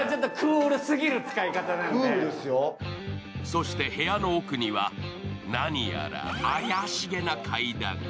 そして部屋の奥には何やら怪しげな階段が。